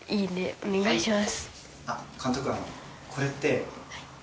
お願いします。